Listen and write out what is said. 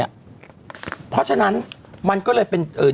พี่เราหลุดมาไกลแล้วฝรั่งเศส